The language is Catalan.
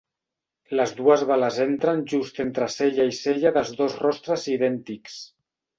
Les dues bales entren just entre cella i cella dels dos rostres idèntics.